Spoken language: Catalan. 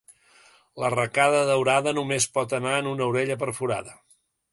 L'arracada daurada només pot anar en una orella perforada.